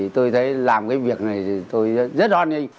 tôi thấy làm cái việc này tôi rất an ninh